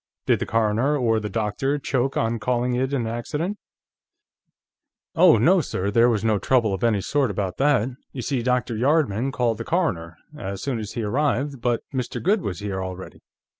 "Did the coroner or the doctor choke on calling it an accident?" "Oh no, sir; there was no trouble of any sort about that. You see, Dr. Yardman called the coroner, as soon as he arrived, but Mr. Goode was here already.